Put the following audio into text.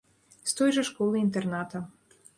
З той жа школы-інтэрната.